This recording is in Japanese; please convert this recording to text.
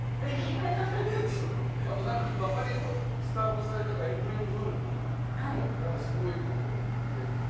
あと周りのスタッフさんにエイプリルフールにすごいことを言ってみたいな。